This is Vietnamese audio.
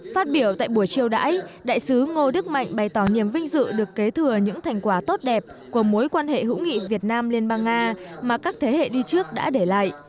phát biểu tại buổi chiêu đãi đại sứ ngô đức mạnh bày tỏ niềm vinh dự được kế thừa những thành quả tốt đẹp của mối quan hệ hữu nghị việt nam liên bang nga mà các thế hệ đi trước đã để lại